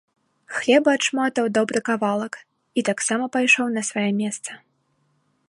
Хлеба адшматаў добры кавалак і таксама пайшоў на сваё месца.